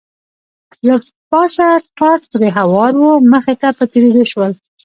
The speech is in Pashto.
له پاسه ټاټ پرې هوار و، مخې ته په تېرېدو شول.